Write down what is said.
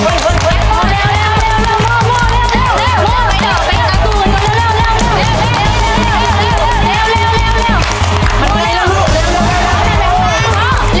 หมัวเหมือนะทำไมกลุกแบบนี้